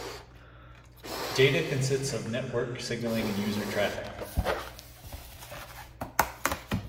Data consists of network signaling and user traffic.